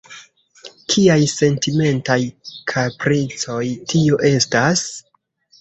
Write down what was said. Kiaj sentimentaj kapricoj tio estas?